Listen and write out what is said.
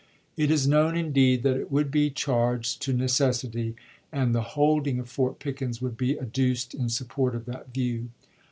It is known, indeed, that it would be charged to necessity, and the holding of Fort Pickens would be adduced in support of that view.